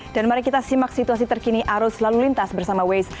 dan mari kita simak situasi terkini arus lalu lintas bersama waze